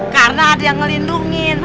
karena ada yang ngelindungin